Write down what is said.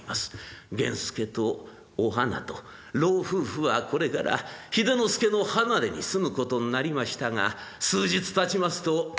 源助とお花と老夫婦はこれから秀之助の離れに住むことになりましたが数日たちますと。